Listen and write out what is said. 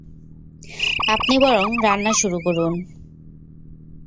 আপনি বরং রান্না শুরু করুন।